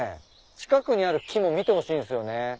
近くにある木も見てほしいんすよね。